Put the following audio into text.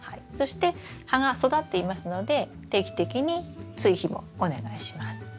そして葉が育っていますので定期的に追肥もお願いします。